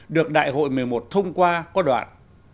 được đại hội một mươi một thông qua có đoạn